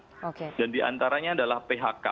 oke dan diantaranya adalah phk